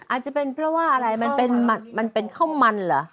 อาจจะเป็นเพราะว่าอะไรมันเป็นข้าวมันเหรอ